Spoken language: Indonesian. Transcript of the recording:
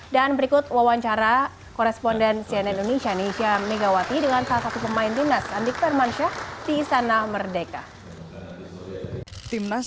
dan berikut wawancara koresponden cnn indonesia nisha megawati dengan salah satu pemain timnas andik permansyah di istana merdeka